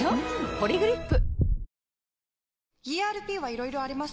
「ポリグリップ」